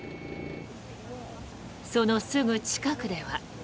そのすぐ近くでは。